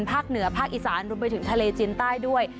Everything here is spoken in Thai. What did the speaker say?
ภาคเหนือภาคอีสานรวมไปถึงทะเลจีนใต้ด้วย